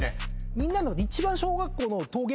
みんなの。